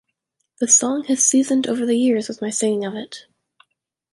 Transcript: The song has seasoned over the years with my singing of it.